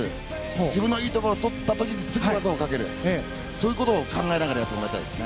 自分のいいところを取った時にすぐ技をかけるそういうことを考えながらやってもらいたいですね。